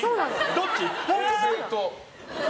どっち？